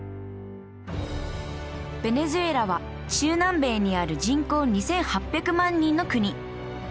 ベネズエラは中南米にある人口２，８００万人の国。